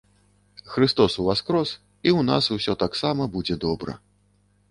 Хрыстос уваскрос, і ў нас усё таксама будзе добра.